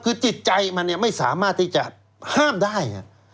คือจิตใจมันไม่สามารถที่จะห้ามได้